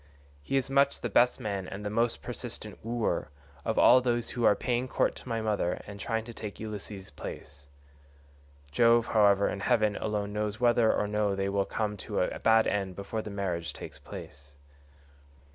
He is much the best man and the most persistent wooer, of all those who are paying court to my mother and trying to take Ulysses' place. Jove, however, in heaven alone knows whether or no they will come to a bad end before the marriage takes place."